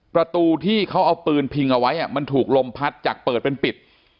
ประตูที่เขาเอาปืนพิงเอาไว้มันถูกลมพัดจากเปิดเป็นปิด